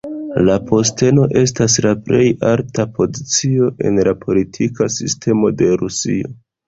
La posteno estas la plej alta pozicio en la politika sistemo de Rusio.